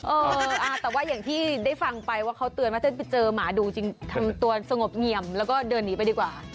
เออแต่ว่าอย่างที่ได้ฟังไปว่าเขาเตือนว่าถ้าไปเจอหมาดูจริงทำตัวสงบเงี่ยมแล้วก็เดินหนีไปดีกว่า